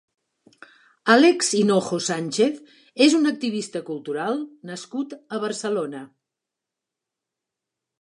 Àlex Hinojo Sánchez és un activista cultural nascut a Barcelona.